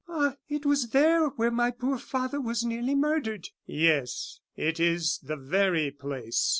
"Ah! it was there where my poor father was nearly murdered." "Yes, it is the very place."